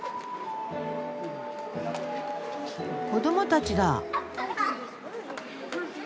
子どもたちだ。